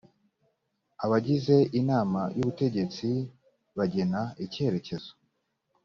abagize inama y ubutegetsi bagena icyerekezo